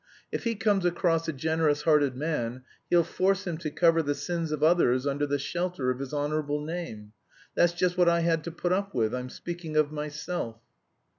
If he comes across a generous hearted man he'll force him to cover the sins of others under the shelter of his honourable name. That's just what I had to put up with, I'm speaking of myself...."